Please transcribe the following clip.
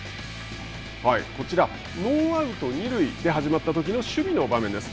こちら、ノーアウト、二塁で始まったときの守備の場面です。